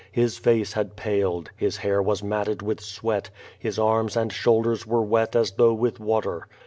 His face had paled, his hair was matted with sweat, his arms and shoulders were wet as though with water.